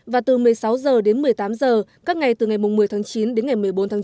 và từ một mươi sáu h đến một mươi tám h các ngày từ ngày một mươi tháng chín đến ngày một mươi bốn tháng chín